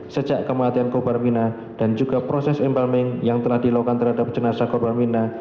sejak kematian korpamina dan juga proses embalming yang telah dilakukan terhadap jenazah korpamina